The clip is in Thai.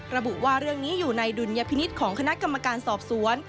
ระบุว่าเรื่องนี้อยู่ในดุลยพินิษฐ์ของคณะกรรมการสอบสวน